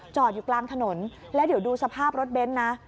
อยู่กลางถนนแล้วเดี๋ยวดูสภาพรถเบนท์นะ